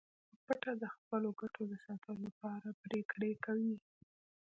په پټه د خپلو ګټو د ساتلو لپاره پریکړې کوي